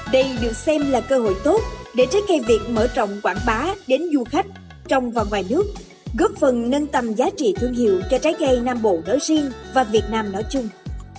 đây được xem là cơ hội tốt để trái cây việt mở trọng quảng bá đến du khách trong và ngoài nước góp phần nâng tầm giá trị thương hiệu cho trái cây nam bộ nói riêng và việt nam nói chung